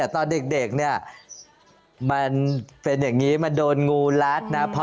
ที่บ้านเนี่ยลูกเยอะ